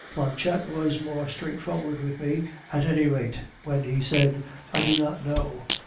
Planchette was more straightforward with me, at any rate, when he said, 'I do not know.